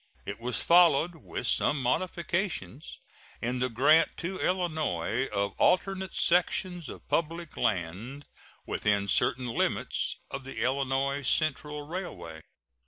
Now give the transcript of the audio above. It was followed, with some modifications, in the grant to Illinois of alternate sections of public land within certain limits of the Illinois Central Railway.